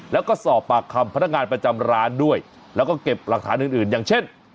แล้วก็สอบปากคำพนักงานประจำร้านด้วยแล้วก็เก็บหลักฐานอื่นอื่นอย่างเช่น